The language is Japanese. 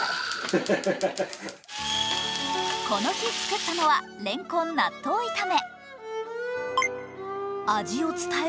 この日作ったのはレンコン納豆炒め。